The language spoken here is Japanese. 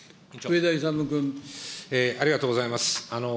ありがとうございます。